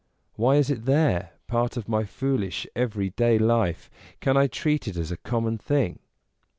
Why is it there, part of my foolish daily life: can I treat it as a common thing?